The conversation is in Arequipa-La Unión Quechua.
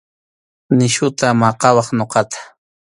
Nisyuta maqawaq ñuqata.